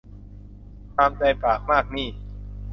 ตามใจปากมากหนี้